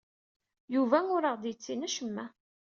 Yuba ur aɣ-d-yettini acemma.